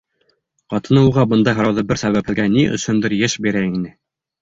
Ҡатыны уға бындай һорауҙы бер сәбәпһеҙгә, ни өсөндөр, йыш бирә ине.